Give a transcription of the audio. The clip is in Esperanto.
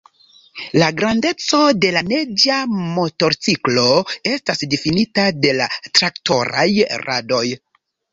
La grandeco de la neĝa motorciklo estas difinita de la traktoraj radoj.